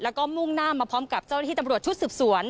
แล้วก็มุ่งหน้ามาพร้อมกับเจ้าหน้าที่ตำรวจชุดสืบสวน